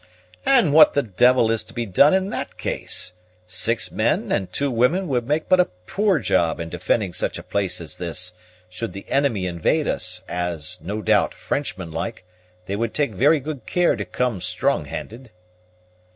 "And what the devil is to be done in that case? Six men and two women would make but a poor job in defending such a place as this, should the enemy invade us; as, no doubt, Frenchman like, they would take very good care to come strong handed."